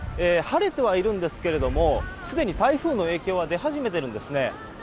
晴れてはいるんですけれどもすでに台風の影響は出始めているんですね。